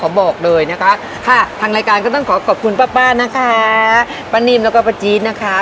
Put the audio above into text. บอกเลยนะคะค่ะทางรายการก็ต้องขอขอบคุณป้าป้านะคะป้านิ่มแล้วก็ป้าจี๊ดนะคะ